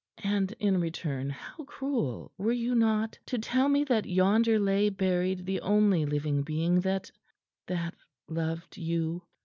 And in return how cruel, were you not to tell me that yonder lay buried the only living being that that loved you?"